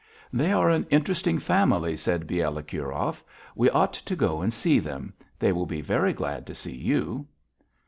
"They are an interesting family," said Bielokurov. "We ought to go and see them. They will be very glad to see you."